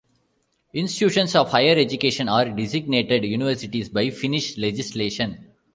Institutions of higher education are designated universities by Finnish legislation.